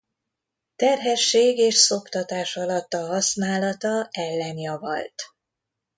Terhesség és szoptatás alatt a használata ellenjavallt.